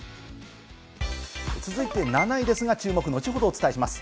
続いて７位ですが、注目、後ほどお伝えします。